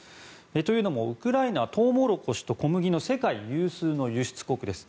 というのもウクライナはトウモロコシと小麦の世界有数の輸出国です。